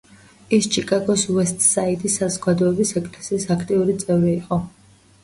ის ჩიკაგოს უესტსაიდის საზოგადოების ეკლესიის აქტიური წევრი იყო.